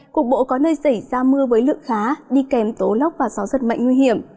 cục bộ có nơi xảy ra mưa với lượng khá đi kèm tố lốc và gió giật mạnh nguy hiểm